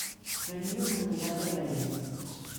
Venim de Sant Cugat del Vallès.